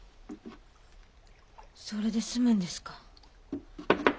それで済むんですか？